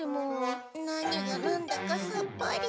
何がなんだかさっぱり。